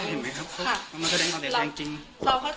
ขอโทษค่ะธนายคือตัวแทนของเราอันนี้เห็นไหมครับคุณ